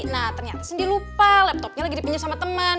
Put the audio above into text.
nah ternyata sindi lupa laptopnya lagi dipinjem sama temen